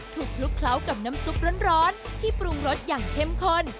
คลุกเคล้ากับน้ำซุปร้อนที่ปรุงรสอย่างเข้มข้น